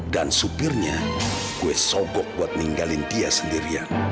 dan supirnya gue sogok buat ninggalin dia sendirian